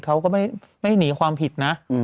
เขาก็ไม่หนีความผิดนะ